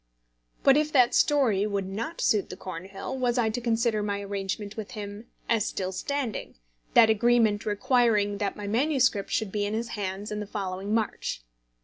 But if that story would not suit the Cornhill, was I to consider my arrangement with him as still standing, that agreement requiring that my MS. should be in his hands in the following March?